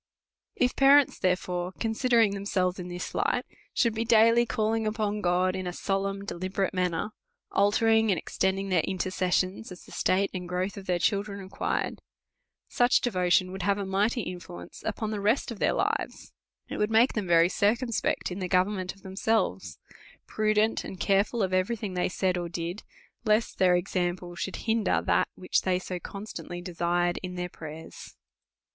If parejits, therefore, considering themselves in this light, should be daily calling upon God in a solemn, deliberate manner, altering and extending their inter cessions, as the state and growth of their children re quired, such devotion would have a mighty inlluence upon the rest of their lives ; it would make them very circumspect in the government of themselves ; prudent and careful of every thing they said or did, lest their example should hinder that, which they so constantly sot A SERIOUS CALL TO A desired in their prajers.